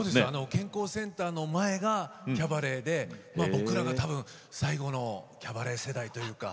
健康センターの前がキャバレーで僕らが多分最後のキャバレー世代というか。